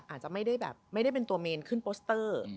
อาจจะไม่ได้แบบไม่ได้เป็นตัวเมนขึ้นโปสเตอร์